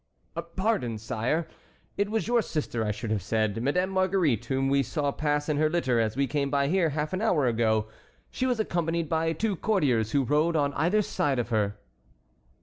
"Pardon, sire! it was your sister I should have said—Madame Marguerite, whom we saw pass in her litter as we came by here half an hour ago. She was accompanied by two courtiers who rode on either side of her."